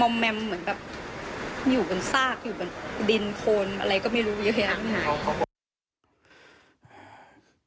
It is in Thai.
มอมแมมเหมือนแบบอยู่บนซากอยู่บนดินโคนอะไรก็ไม่รู้เยอะแยะอ่ะ